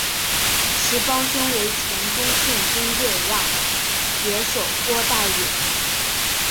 其胞兄为前中信鲸队外野手郭岱咏。